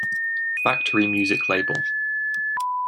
Factory music label.